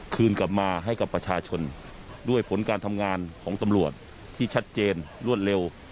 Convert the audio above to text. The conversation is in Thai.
คืนกลับมาให้กับประชาชนด้วยผลการทำงานของตำรวจที่ชัดเจนรวดเร็ว